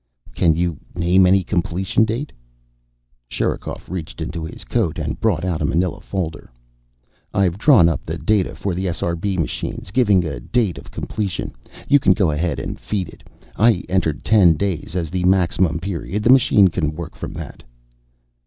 "Can you name any completion date?" Sherikov reached into his coat and brought out a manila folder. "I've drawn up the data for the SRB machines, giving a date of completion. You can go ahead and feed it. I entered ten days as the maximum period. The machines can work from that."